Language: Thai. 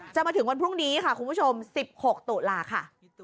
จะมาถึงวันพรุ่งนี้ค่ะคุณผู้ชม๑๖ตุลาค่ะ